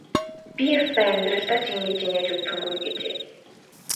Би ёстой амьдралдаа ч ингэж инээж үзсэнгүй гэжээ.